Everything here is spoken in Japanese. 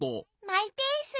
マイペース。